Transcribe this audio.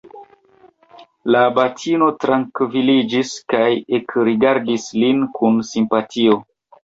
La abatino trankviliĝis kaj ekrigardis lin kun simpatio.